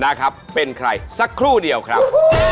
แล้วครับเป็นใครสักครู่เดียวครับ